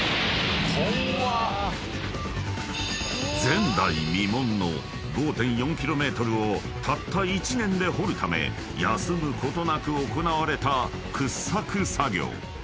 ［前代未聞の５．４ｋｍをたった１年で掘るため休むことなく行われた掘削作業］